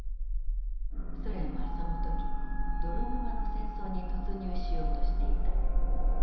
ソ連はその時泥沼の戦争に突入しようとしていた。